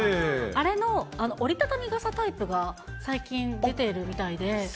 あれの折り畳み傘タイプが最近、出てるみたいで。